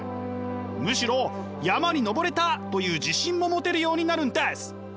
むしろ山に登れたという自信も持てるようになるんです！